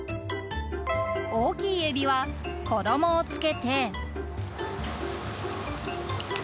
大きいエビは、衣をつけて。